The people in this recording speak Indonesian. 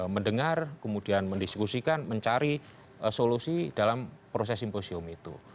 mendengar kemudian mendiskusikan mencari solusi dalam proses simposium itu